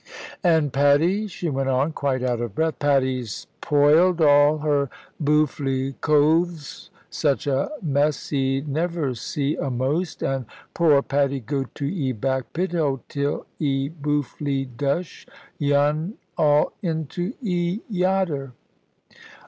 "And Patty," she went on, quite out of breath; "Patty 'poiled all her boofely cothes: such a mess 'e never see a'most! And poor Patty go to 'e back pit hole, till 'e boofely Dush yun all into 'e yater."